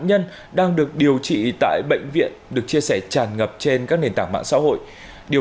nhân đang được điều trị tại bệnh viện được chia sẻ tràn ngập trên các nền tảng mạng xã hội điều